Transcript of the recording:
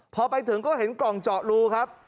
พอไปถึงก็เห็นกล่องเจาะรูครับ